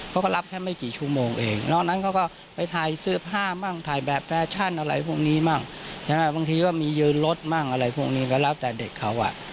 พ่อเชื่อในความยุติธรรมค่ะ